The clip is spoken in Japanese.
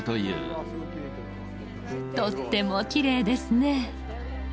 とってもきれいですね。